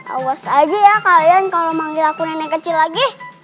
awas aja ya kalian kalau manggil aku nenek kecil lagi